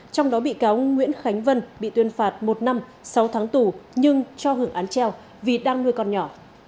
trong đó bị cáo nguyễn khánh vân bị tuyên phạt một năm sáu tháng tù nhưng cho hưởng án treo vì đang nuôi con nhỏ